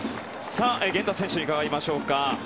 源田選手に伺いましょうか。